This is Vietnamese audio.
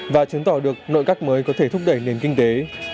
và chứng tỏ được nội các mới có thể thúc đẩy nền kinh tế